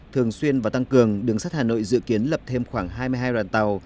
thường xuyên và tăng cường đường sắt hà nội dự kiến lập thêm khoảng hai mươi hai đoàn tàu